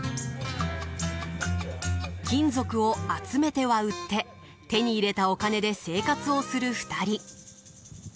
金属を集めては売って手に入れたお金で生活をする２人。